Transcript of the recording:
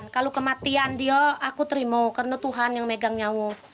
kalau kematian dia aku terima karena tuhan yang megang nyamuk